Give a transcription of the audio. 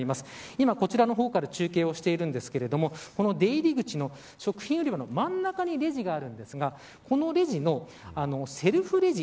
今、こちらから中継しているんですが出入り口の食品売り場の真ん中にレジがあるんですがこのレジのセルフレジ